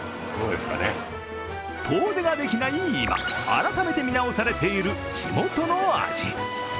遠出ができない今、改めて見直されている地元の味